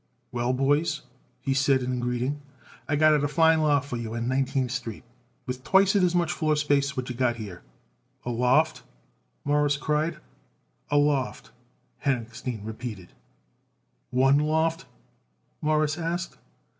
"Well, boys," he said in greeting, "I got it a fine loft for you on Nineteenth Street with twicet as much floor space what you got here." "A loft!" Morris cried. "A loft," Henochstein repeated. "One loft?" Morris asked.